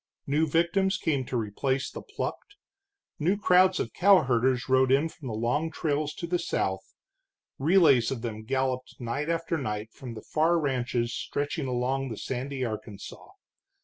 New victims came to replace the plucked, new crowds of cowherders rode in from the long trails to the south, relays of them galloped night after night from the far ranches stretching along the sandy Arkansas.